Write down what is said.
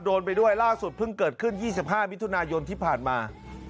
ไปด้วยล่าสุดเพิ่งเกิดขึ้น๒๕มิถุนายนที่ผ่านมา